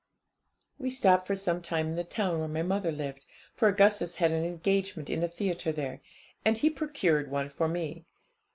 'We stopped for some time in the town where my mother lived, for Augustus had an engagement in a theatre there, and he procured one for me.